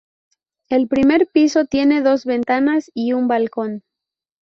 El primer piso tiene dos ventanas y un balcón.